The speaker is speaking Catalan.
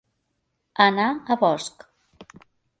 Anar a bosc.